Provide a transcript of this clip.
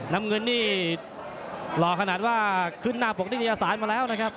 น้ำเงินนี่หล่อขนาดว่าขึ้นหน้าปกนิตยสารมาแล้วนะครับ